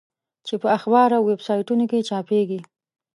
چې په اخبار او ویب سایټونو کې چاپېږي.